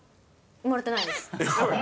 生まれてないです。